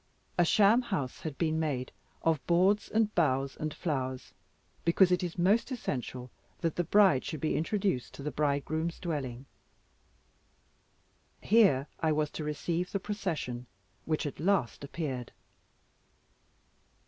A sham house had been made of boards, and boughs, and flowers, because it is most essential that the bride should be introduced to the bridegroom's dwelling. Here I was to receive the procession, which at last appeared.